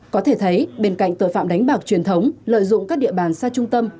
có thể thấy bên cạnh tội phạm đánh bạc truyền thống lợi dụng các địa bàn xa trung tâm